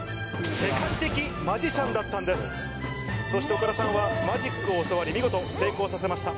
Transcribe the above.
そして岡田さんはマジックを教わり見事成功させました。